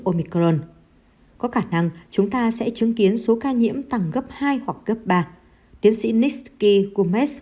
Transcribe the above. omicron có khả năng chúng ta sẽ chứng kiến số ca nhiễm tăng gấp hai hoặc gấp ba tiến sĩ nicki comes